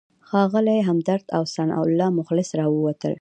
ښاغلی همدرد او ثناالله مخلص راووتل.